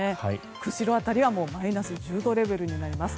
釧路辺りは、もうマイナス１０度レベルになります。